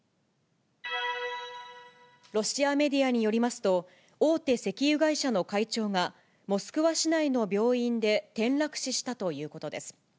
ロシアメディアによりますと、大手石油会社の会長がモスクワ市内の病院で転落死したということです。